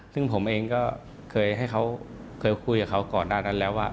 ซึ่งผมเองก็เคยคุยกับเขาก่อนด้านนั้นแล้วว่า